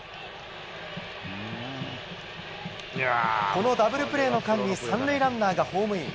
このダブルプレーの間に３塁ランナーがホームイン。